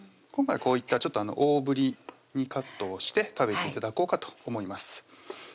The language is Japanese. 今回こういったちょっと大ぶりにカットをして食べて頂こうかと思います